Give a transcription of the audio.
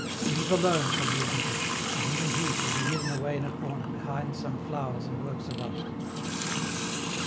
Yves alone shall be admitted, and even he shall be hidden away in a corner behind some flowers and works of art.